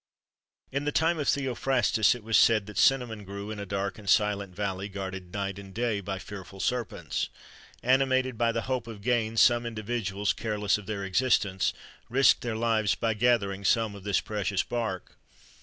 In the time of Theophrastus, it was said that cinnamon grew in a dark and silent valley, guarded night and day by fearful serpents. Animated by the hope of gain, some individuals, careless of their existence, risked their lives by gathering some of this precious bark.